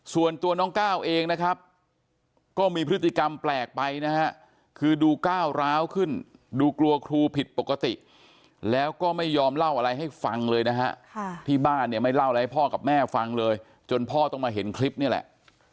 ส่วนตัวน้องก้าวเองนะครับก็มีพฤติกรรมแปลกไปนะฮะคือดูก้าวร้าวขึ้นดูกลัวครูผิดปกติแล้วก็ไม่ยอมเล่าอะไรให้ฟังเลยนะฮะที่บ้านเนี่ยไม่เล่าอะไรให้พ่อกับแม่ฟังเลยจนพ่อต้องมาเห็นคลิปนี่แหละ